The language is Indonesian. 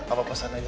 apa pesan aja ya